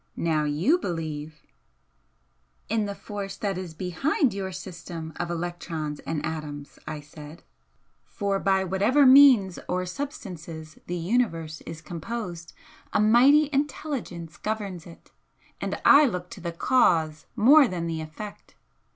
Now you believe " "In the Force that is BEHIND your system of electrons and atoms" I said "For by whatever means or substances the Universe is composed, a mighty Intelligence governs it and I look to the Cause more than the Effect.